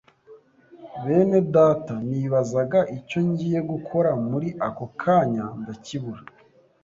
benedata nibazaga icyo ngiye gukora muri ako kanya nkakibura